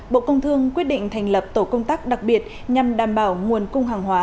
bộ công thương quyết định thành lập tổ công tác đặc biệt nhằm đảm bảo nguồn cung hàng hóa